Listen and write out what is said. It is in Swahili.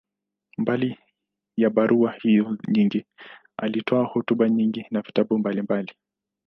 Mbali ya barua hizo nyingi, alitoa hotuba nyingi na vitabu mbalimbali.